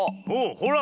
ほら。